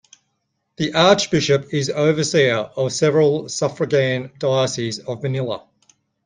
The Archbishop is also overseer of several suffragan dioceses of Manila.